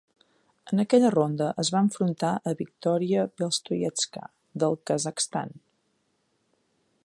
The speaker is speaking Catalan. En aquella ronda, es va enfrontar a Viktoriya Beloslydtseva, del Kazakhstan.